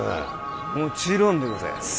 もちろんでございます。